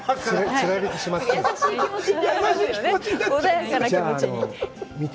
つられてしまって。